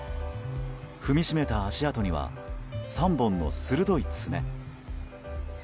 踏みしめた足跡には３本の鋭い爪。